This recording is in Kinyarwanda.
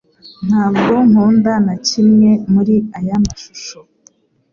Ntabwo nkunda na kimwe muri aya mashusho